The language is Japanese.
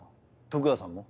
徳川さんも？